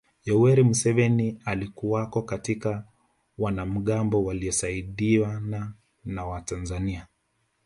Yoweri Museveni alikuwako kati ya wanamgambo waliosaidiana na Watanzania